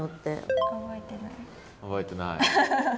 覚えてない。